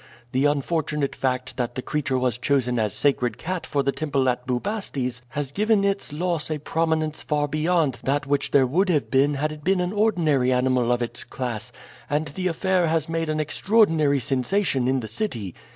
The unfortunate fact that the creature was chosen as sacred cat for the temple at Bubastes has given its loss a prominence far beyond that which there would have been had it been an ordinary animal of its class, and the affair has made an extraordinary sensation in the city.